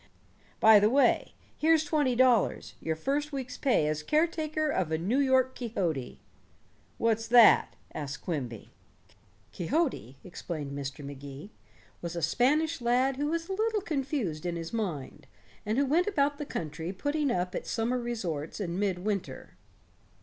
By the way, here's twenty dollars, your first week's pay as caretaker of a New York Quixote." "What's that?" asked Quimby. "Quixote," explained Mr. Magee, "was a Spanish lad who was a little confused in his mind, and went about the country putting up at summer resorts in mid winter."